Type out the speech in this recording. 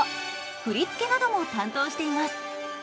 振り付けなども担当しています。